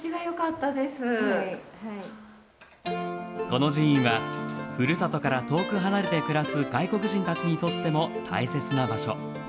この寺院はふるさとから遠く離れて暮らす外国人たちにとっても大切な場所。